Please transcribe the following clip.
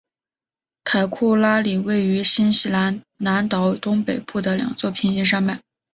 凯库拉岭位于新西兰南岛东北部的两座平行山脉。